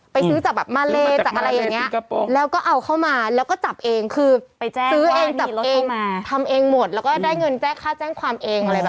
ซื้อจากแบบมาเลจากอะไรอย่างนี้แล้วก็เอาเข้ามาแล้วก็จับเองคือไปแจ้งซื้อเองจับเองทำเองหมดแล้วก็ได้เงินแจ้งค่าแจ้งความเองอะไรแบบ